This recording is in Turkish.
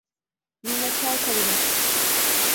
Minnettar kalırım.